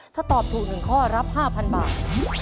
ถ้าตอบถูก๑ข้อรับ๕๐๐บาท